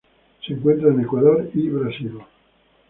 Se encuentra en Ecuador y Brasil.